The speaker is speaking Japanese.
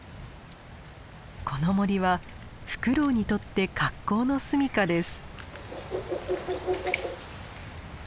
この森はフクロウにとって格好の住みかです。